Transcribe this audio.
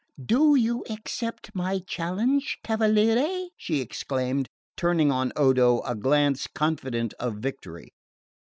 "Do you accept my challenge, cavaliere?" she exclaimed, turning on Odo a glance confident of victory.